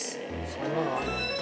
そんなのあるの？